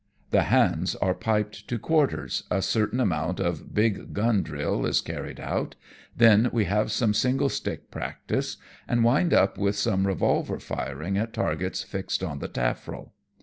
The hands are piped to quarters, a certain amount of big gun drill is carried out^ then we have some singlestick practice, and wind up with some revolver firing at targets fixed on the tafirail.